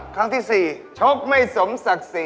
ครั้งที่๔ชกไม่สมศักดิ์ศรี